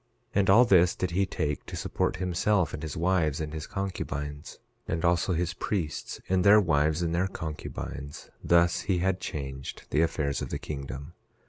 11:4 And all this did he take to support himself, and his wives and his concubines; and also his priests, and their wives and their concubines; thus he had changed the affairs of the kingdom.